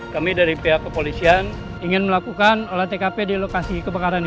kami dari pihak kepolisian ingin melakukan olah tkp di lokasi kebakaran ini